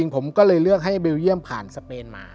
ผมก็เลยเลือกให้เบลเยี่ยมผ่านสเปนมา